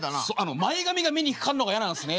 前髪が目にかかんのが嫌なんですね。